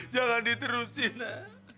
jangan diterusin nak